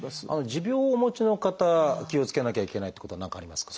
持病をお持ちの方気をつけなきゃいけないっていうことは何かありますか？